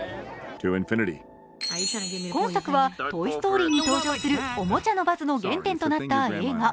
今作は「トイ・ストーリー」に登場するおもちゃのバズの原点となった映画。